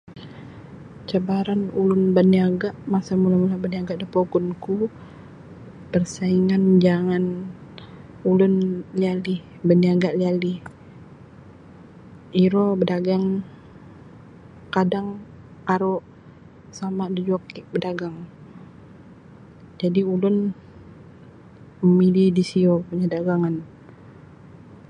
Cabaran ulun baniaga masa mula-mula baniaga da pogun ku parsaingan jangan ulun liali baniaga liali iro badagang kadang aru sama da joki badagang jadi ulun memilih dasiyo punya dagangan.